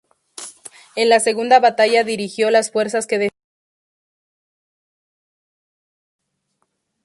En la segunda batalla dirigió las fuerzas que defendieron los vados.